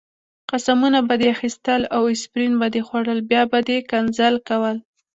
قسمونه به دې اخیستل او اسپرین به دې خوړل، بیا به دې ښکنځل کول.